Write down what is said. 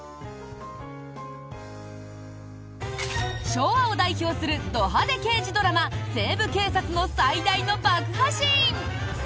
昭和を代表するド派手刑事ドラマ「西部警察」の最大の爆破シーン。